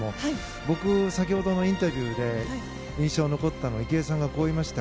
僕、先ほどのインタビューで印象に残ったのは池江さんがこう言いました。